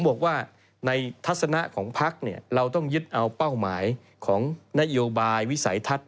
บอกว่าในทัศนะของพักเราต้องยึดเอาเป้าหมายของนโยบายวิสัยทัศน์